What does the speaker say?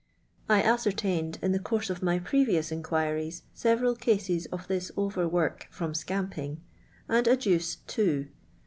I ascertained, in the course of my previous inquiries, several cases of this over work from scamping, and adduce two.